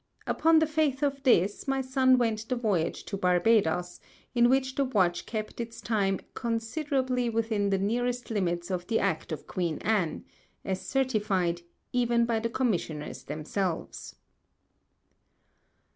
Upon the Faith of this, my Son went the Voyage to Barbadoes, in which the Watch kept its Time ŌĆ£considerably within the nearest Limits of the Act of Queen Anne, ŌĆØ as certified, even by the Commissioners themselves.